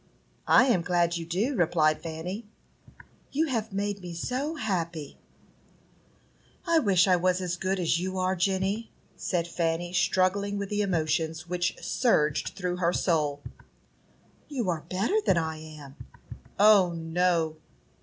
"I am glad you do," replied Fanny. "You have made me so happy!" "I wish I was as good as you are, Jenny," said Fanny, struggling with the emotions which surged through her soul. "You are better than I am." "O, no!"